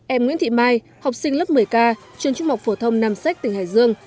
em nguyễn thị mai học sinh lớp một mươi k trường trung học phổ thông nam sách tỉnh hải dương